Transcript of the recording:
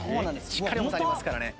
しっかり重さありますからね。